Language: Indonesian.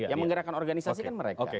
yang menggerakkan organisasi kan mereka